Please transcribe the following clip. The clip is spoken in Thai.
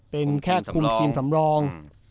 เป็นแค่คุมทีมสำรอง